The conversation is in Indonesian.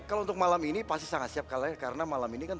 kalau untuk malam ini pasti sangat siap kalian karena malam ini kan tepat